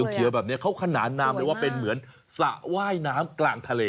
เขียวแบบนี้เขาขนานนามเลยว่าเป็นเหมือนสระว่ายน้ำกลางทะเล